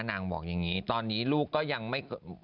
บอกอย่างนี้ตอนนี้ลูกก็ยังไม่